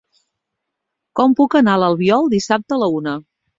Com puc anar a l'Albiol dissabte a la una?